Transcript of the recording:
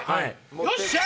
よっしゃ！